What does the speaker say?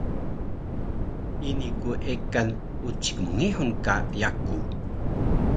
ini ku ekan ucik mngihur ka yaku